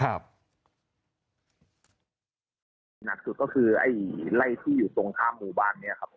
หนักสุดก็คือไอ้ไล่ที่อยู่ตรงข้ามหมู่บ้านเนี่ยครับ